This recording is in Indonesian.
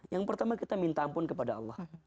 yang pertama kita minta ampun kepada allah